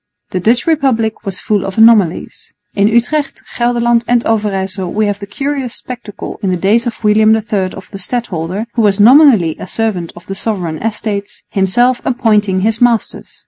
The Dutch Republic was full of anomalies. In Utrecht, Gelderland and Overyssel we have the curious spectacle in the days of William III of the stadholder, who was nominally a servant of the Sovereign Estates, himself appointing his masters.